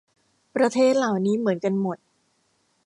ประเทศเหล่านี้เหมือนกันหมด